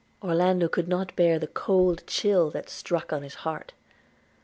Orlando could not bear the cold chill that struck on his heart.